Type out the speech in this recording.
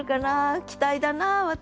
期待だな私は。